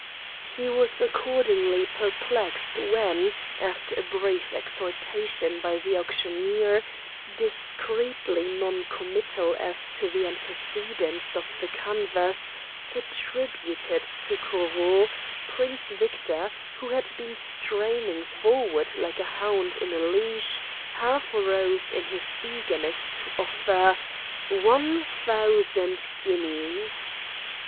He was accordingly perplexed when, after a brief exhortation by the auctioneer, discreetly noncommittal as to the antecedents of the canvas—"attributed to Corot"—Prince Victor, who had been straining forward like a hound in leash, half rose in his eagerness to offer: "One thousand guineas!"